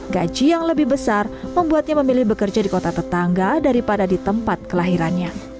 gaji yang lebih besar membuatnya memilih bekerja di kota tetangga daripada di tempat kelahirannya